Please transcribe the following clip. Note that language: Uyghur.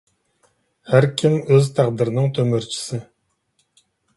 ھەركىم ئۆز تەقدىرىنىڭ تۆمۈرچىسى!